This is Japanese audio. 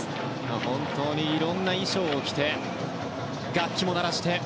本当に、いろんな衣装を着て楽器も鳴らして。